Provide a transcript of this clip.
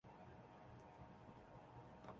这一类还包括州政府和当地政府。